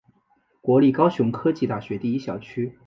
国立高雄科技大学第一校区。